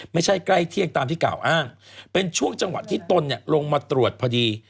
ไม่ใช่ใกล้เที่ยงตามที่กล่าวอ้างเป็นช่วงจังหวะที่ตนลงมาตรวจพอดี